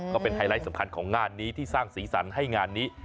ไฮไลท์สำคัญของงานนี้ที่สร้างสีสันให้งานนี้